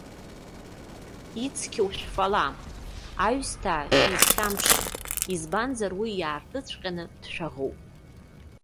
Ицқьоу шәфала, аҩсҭаа шәизхьамԥшын, избанзар уи иаартыҵәҟьаны дшәаӷоуп.